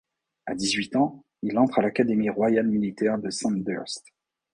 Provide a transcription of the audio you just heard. À dix-huit ans, il entre à l'Académie royale militaire de Sandhurst.